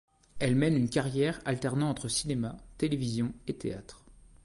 Elle mène une carrière alternant entre cinéma, télévision et théâtre.